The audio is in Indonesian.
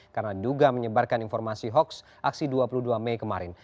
karena duga menyebarkan informasi hoaks aksi dua puluh dua mei kemarin